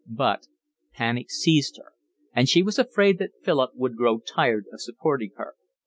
But panic seized her, and she was afraid that Philip would grow tired of supporting her.